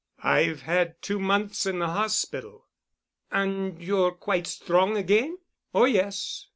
"I've had two months in the hospital." "And you're quite strong again?" "Oh yes.